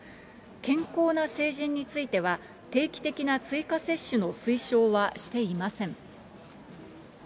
健康な成人については、定期的な追加接種の推奨はしていません。